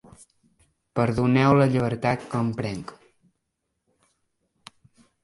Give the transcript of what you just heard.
Perdoneu la llibertat que em prenc.